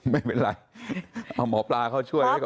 ไม่เป็นไรเอาหมอปลาเขาช่วยไว้ก่อน